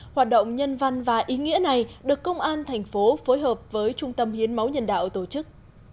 hoạt động nhân văn và ý nghĩa này được công an thành phố phối hợp với trung tâm hiến máu nhân đạo tổ chức